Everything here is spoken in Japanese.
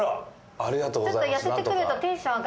ありがとうございます。